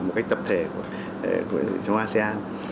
một cách tập thể trong asean